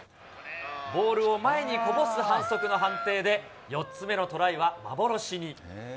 ボールを前にこぼす反則の判定で、４つ目のトライは幻に。